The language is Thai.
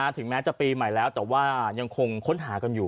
ถึงแม้จะปีใหม่แล้วแต่ว่ายังคงค้นหากันอยู่